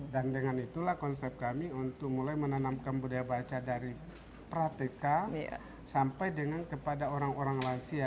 dan dengan itulah konsep kami untuk mulai menanamkan budaya baca dari praktika sampai dengan kepada orang orang lansia